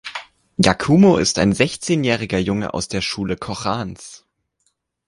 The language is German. Yakumo ist ein sechzehnjähriger Junge aus der Schule Kochans.